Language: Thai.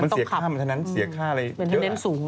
มันเสียค่ามันเท่านั้นเสียค่าเลยเยอะ